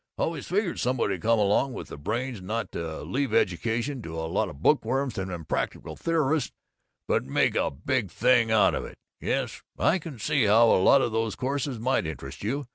Always figured somebody'd come along with the brains to not leave education to a lot of bookworms and impractical theorists but make a big thing out of it. Yes, I can see how a lot of these courses might interest you.